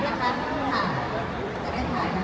ซึ่งได้สร้างน้ำดับสมุทรภูเจริญวิทยาลง